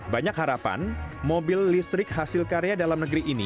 banyak harapan mobil listrik hasil karya dalam negeri ini